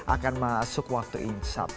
akan masuk waktu insap